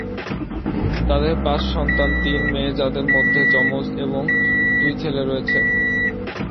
তাদের পাঁচ সন্তান, তিন মেয়ে, যাদের মধ্যে যমজ এবং দুই ছেলে রয়েছে।